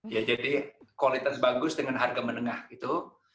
ya jadi kualitas bagus dengan harga menengah itu